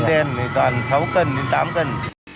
chấm đèn toàn sáu cân đến tám cân